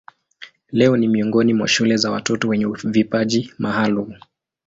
Leo ni miongoni mwa shule za watoto wenye vipaji maalumu.